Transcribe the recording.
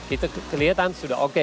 itu kelihatan sudah oke